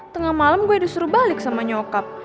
tengah malam gue disuruh balik sama nyokap